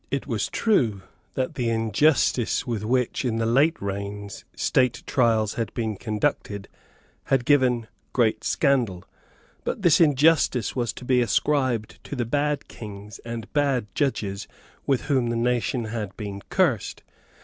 It was true that the injustice with which, in the late reigns, State trials had been conducted, had given great scandal. But this injustice was to be ascribed to the bad kings and bad judges with whom the nation had been cursed.